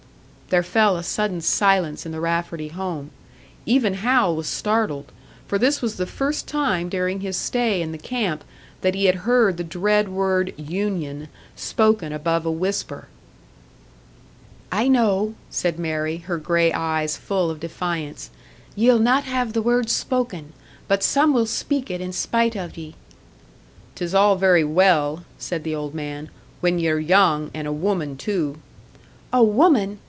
There fell a sudden silence in the Rafferty home. Even Hal was startled for this was the first time during his stay in the camp that he had heard the dread word "union" spoken above a whisper. "I know!" said Mary, her grey eyes full of defiance. "Ye'll not have the word spoken! But some will speak it in spite of ye!" "'Tis all very well," said the old man. "When ye're young, and a woman too " "A woman!